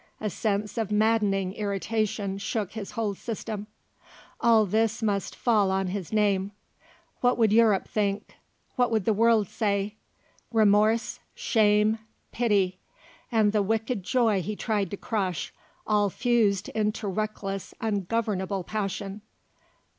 A sense of maddening irritation shook his whole system. All this must fall on his name; what would Europe think, what would the world say? Remorse, shame, pity, and the wicked joy he tried to crush, all fused into reckless ungovernable passion.